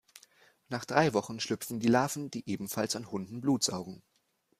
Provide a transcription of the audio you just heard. Nach drei Wochen schlüpfen die Larven, die ebenfalls an Hunden Blut saugen.